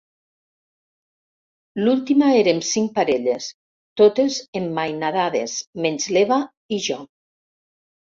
L'última érem cinc parelles, totes emmainadades menys l'Eva i jo.